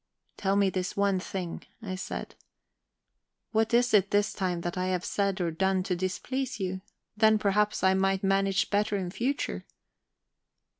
"Tell me this one thing," I said. "What is it this time that I have said or done to displease you? Then, perhaps, I might manage better in future."